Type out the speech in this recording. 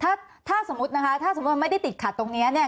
ถ้าถ้าสมมุตินะคะถ้าสมมุติมันไม่ได้ติดขัดตรงนี้เนี่ย